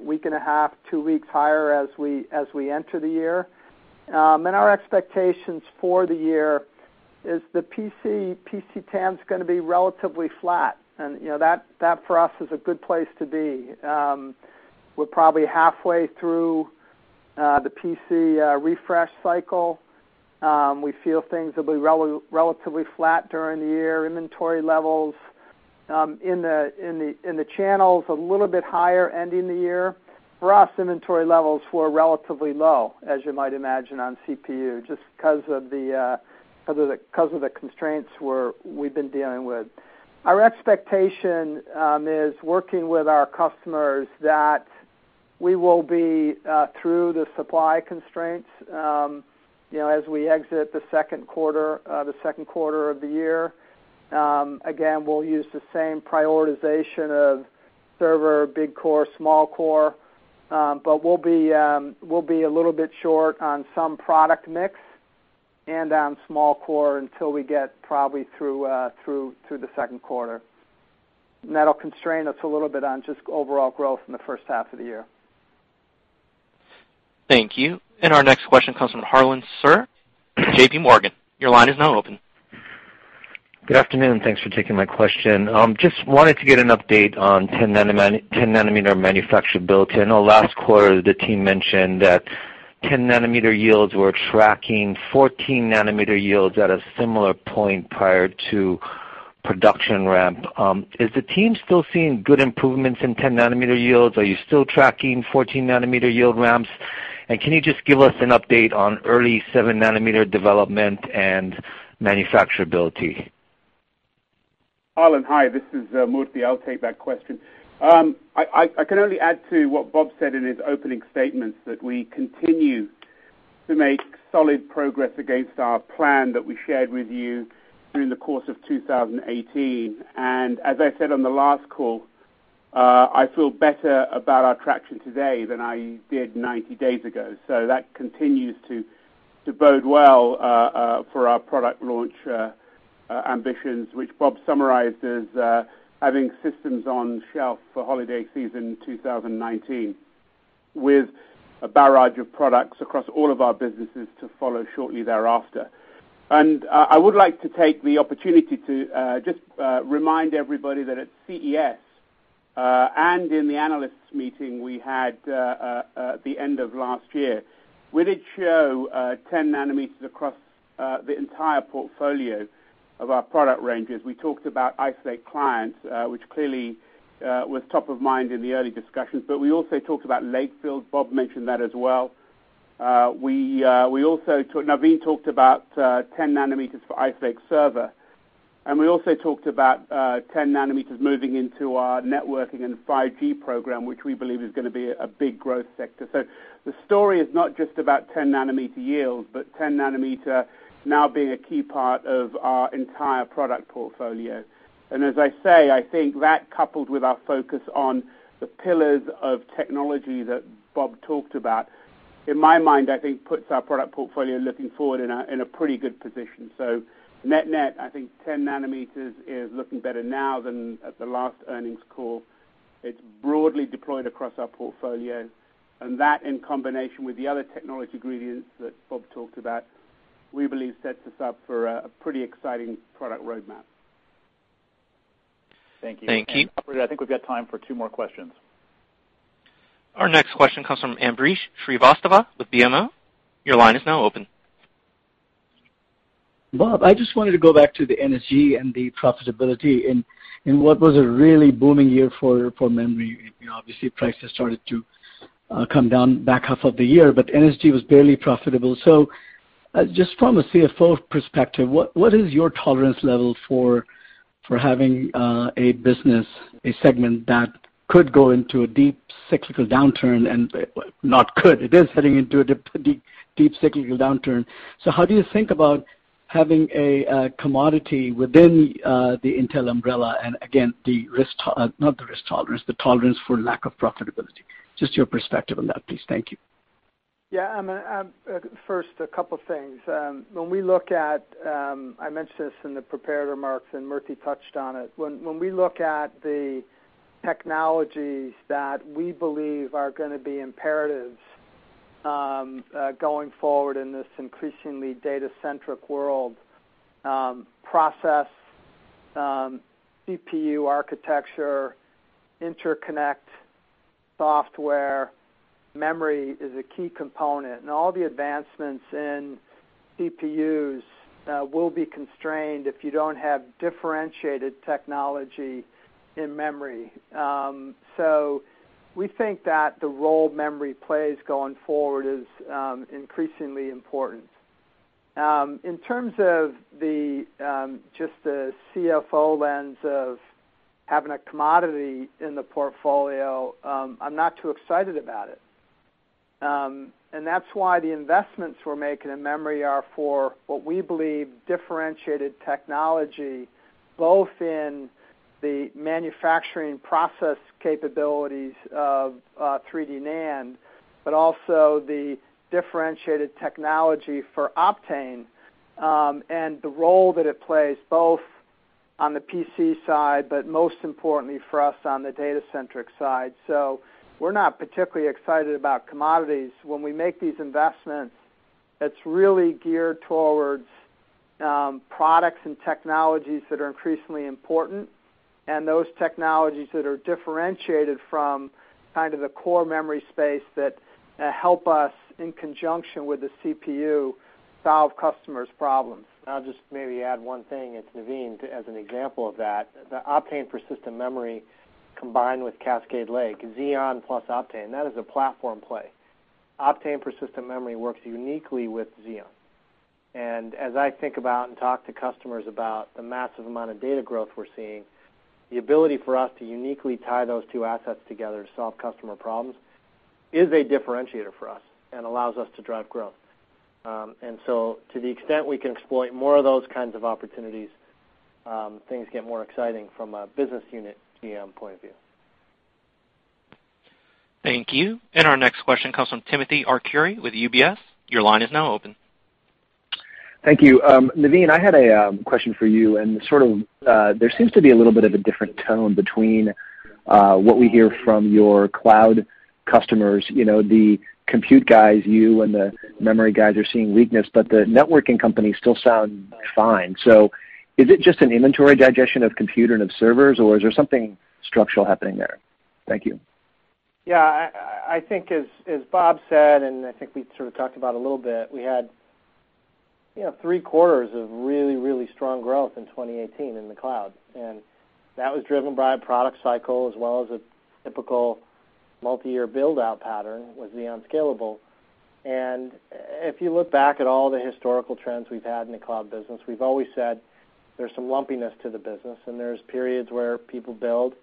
week and a half, two weeks higher as we enter the year. Our expectations for the year is the PC TAM is going to be relatively flat, and that for us is a good place to be. We're probably halfway through the PC refresh cycle. We feel things will be relatively flat during the year. Inventory levels in the channels a little bit higher ending the year. For us, inventory levels were relatively low, as you might imagine, on CPU, just because of the constraints we've been dealing with. Our expectation is working with our customers, that we will be through the supply constraints as we exit the Q2 of the year. Again, we'll use the same prioritization of server, big core, small core. We'll be a little bit short on some product mix and on small core until we get probably through the Q2. That'll constrain us a little bit on just overall growth in the H1 of the year. Thank you. Our next question comes from Harlan Sur, J.P. Morgan. Your line is now open. Good afternoon, and thanks for taking my question. Just wanted to get an update on 10-nanometer manufacturability. I know last quarter the team mentioned that 10-nanometer yields were tracking 14-nanometer yields at a similar point prior to production ramp. Is the team still seeing good improvements in 10-nanometer yields? Are you still tracking 14-nanometer yield ramps? Can you just give us an update on early seven-nanometer development and manufacturability? Harlan, hi. This is Venkata I'll take that question. I can only add to what Bob said in his opening statements, that we continue to make solid progress against our plan that we shared with you during the course of 2018. As I said on the last call, I feel better about our traction today than I did 90 days ago. That continues to bode well for our product launch ambitions, which Bob summarized as having systems on shelf for holiday season 2019, with a barrage of products across all of our businesses to follow shortly thereafter. And I would like to take the opportunity to just remind everybody that at CES, and in the analysts meeting we had at the end of last year, we did show 10 nanometers across the entire portfolio of our product ranges. We talked about Ice Lake clients, which clearly was top of mind in the early discussions, but we also talked about Lakefield. Bob mentioned that as well. Navin talked about 10 nanometers for Ice Lake server, and we also talked about 10 nanometers moving into our networking and 5G program, which we believe is going to be a big growth sector. The story is not just about 10-nanometer yields, but 10 nanometer now being a key part of our entire product portfolio. As I say, I think that coupled with our focus on the pillars of technology that Bob talked about, in my mind, I think puts our product portfolio looking forward in a pretty good position. Net-net, I think 10 nanometers is looking better now than at the last earnings call. It's broadly deployed across our portfolio, that in combination with the other technology ingredients that Bob talked about, we believe sets us up for a pretty exciting product roadmap. Thank you. Thank you. Murthy, I think we've got time for two more questions. Our next question comes from Ambrish Srivastava with BMO. Your line is now open. Bob, I just wanted to go back to the NSG and the profitability in what was a really booming year for memory. Obviously, prices started to come down back half of the year, NSG was barely profitable. Just from a CFO perspective, what is your tolerance level for having a segment that could go into a deep cyclical downturn, it is heading into a deep cyclical downturn. How do you think about having a commodity within the Intel umbrella and again, the tolerance for lack of profitability? Just your perspective on that, please. Thank you. Yeah, Ambrish. First, a couple things. I mentioned this in the prepared remarks, Murthy touched on it. When we look at the technologies that we believe are going to be imperatives going forward in this increasingly data-centric world, process, CPU architecture, interconnect, software, memory is a key component, and all the advancements in CPUs will be constrained if you don't have differentiated technology in memory. So we think that the role memory plays going forward is increasingly important. In terms of just the CFO lens of having a commodity in the portfolio, I'm not too excited about it. That's why the investments we're making in memory are for what we believe differentiated technology, both in the manufacturing process capabilities of 3D NAND, but also the differentiated technology for Optane and the role that it plays both on the PC side, but most importantly for us on the data-centric side. So we're not particularly excited about commodities. When we make these investments, it's really geared towards products and technologies that are increasingly important, and those technologies that are differentiated from kind of the core memory space that help us, in conjunction with the CPU, solve customers' problems. I'll just maybe add one thing, it's Navin, as an example of that. The Optane persistent memory combined with Cascade Lake, Xeon plus Optane, that is a platform play. Optane persistent memory works uniquely with Xeon. As I think about and talk to customers about the massive amount of data growth we're seeing, the ability for us to uniquely tie those two assets together to solve customer problems is a differentiator for us and allows us to drive growth. To the extent we can exploit more of those kinds of opportunities, things get more exciting from a business unit GM point of view. Thank you. Our next question comes from Timothy Arcuri with UBS. Your line is now open. Thank you. Navin, I had a question for you. There seems to be a little bit of a different tone between what we hear from your cloud customers. The compute guys, you, and the memory guys are seeing weakness, but the networking companies still sound fine. Is it just an inventory digestion of computer and of servers, or is there something structural happening there? Thank you. Yeah. I think as Bob said, I think we sort of talked about a little bit, we had three quarters of really, really strong growth in 2018 in the cloud, that was driven by a product cycle as well as a typical multi-year build-out pattern with Xeon Scalable. If you look back at all the historical trends we've had in the cloud business, we've always said there's some lumpiness to the business, there's periods where people build,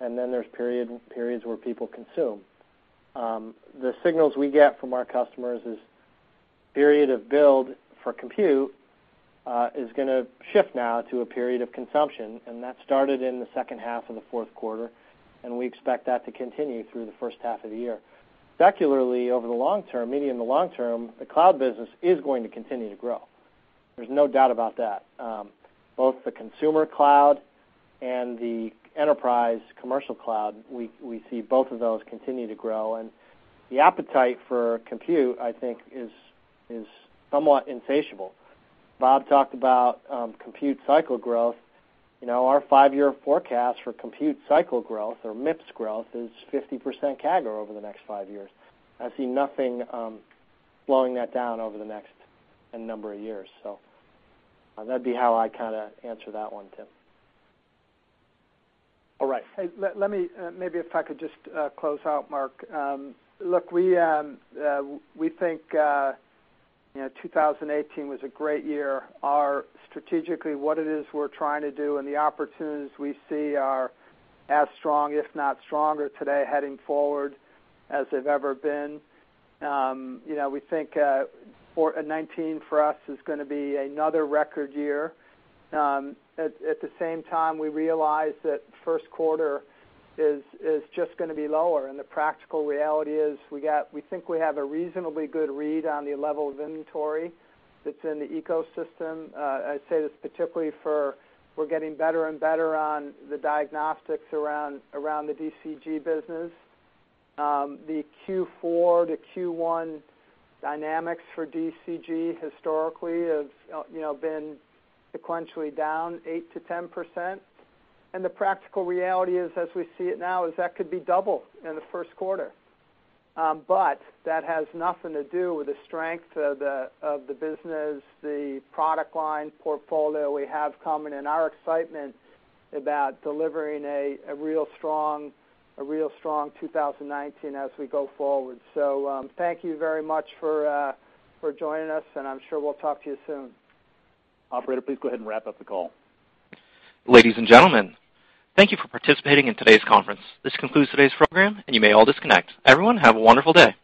there's periods where people consume. The signals we get from our customers is period of build for compute is going to shift now to a period of consumption, that started in the H2 of the Q4, we expect that to continue through the H1 of the year. Secularly, over the long term, maybe in the long term, the cloud business is going to continue to grow. There's no doubt about that. Both the consumer cloud and the enterprise commercial cloud, we see both of those continue to grow, and the appetite for compute, I think is somewhat insatiable. Bob talked about compute cycle growth. Our five-year forecast for compute cycle growth or MIPS growth is 50% CAGR over the next five years. I see nothing slowing that down over the next number of years. That'd be how I kind of answer that one, Timothy. All right. Hey, maybe if I could just close out, Mark. Look, we think 2018 was a great year. Strategically, what it is we're trying to do and the opportunities we see are as strong, if not stronger today heading forward as they've ever been. We think for 2019 for us is going to be another record year. At the same time, we realize that Q1 is just going to be lower, and the practical reality is we think we have a reasonably good read on the level of inventory that's in the ecosystem. I say this particularly for we're getting better and better on the diagnostics around the DCG business. The Q4 to Q1 dynamics for DCG historically have been sequentially down 8% to 10%. The practical reality is, as we see it now, is that could be double in the Q1. But that has nothing to do with the strength of the business, the product line portfolio we have coming, and our excitement about delivering a real strong 2019 as we go forward. So thank you very much for joining us, and I'm sure we'll talk to you soon. Operator, please go ahead and wrap up the call. Ladies and gentlemen, thank you for participating in today's conference. This concludes today's program, and you may all disconnect. Everyone, have a wonderful day.